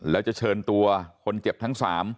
แล้วจะเชิญตัวคนเจ็บทั้ง๓